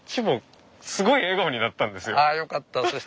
あよかった